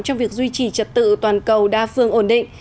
trong việc duy trì trật tự toàn cầu đa phương ổn định